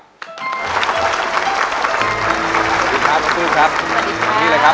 สวัสดีครับน้องปลื้มครับนี่เลยครับ